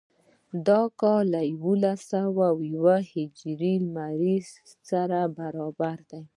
دا کال له یوولس سوه یو هجري لمریز کال سره برابر دی.